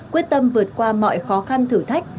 quyết tâm vượt qua mọi khó khăn thử thách